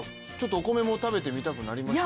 お米も食べてみたくなりましたか？